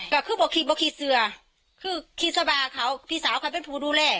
ก็คือบอกคิดว่าขีดเสือคือขีดสบาเขาพี่สาวเขาเป็นผู้ดูแล